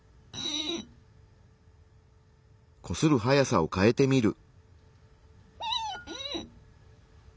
こする速さを変えてみる。